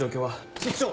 室長！